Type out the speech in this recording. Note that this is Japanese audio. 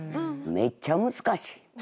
めっちゃ難しい。